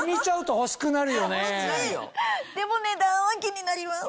でも値段は気になります。